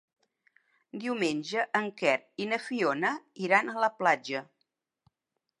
Diumenge en Quer i na Fiona iran a la platja.